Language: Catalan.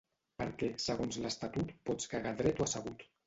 perquè, segons l'Estatut, pots cagar dret o assegut